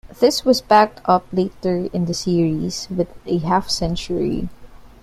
This was backed up later in the series with a half century.